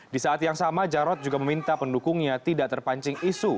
di saat yang sama jarod juga meminta pendukungnya tidak terpancing isu